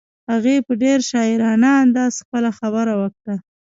هغې په ډېر شاعرانه انداز خپله خبره وکړه.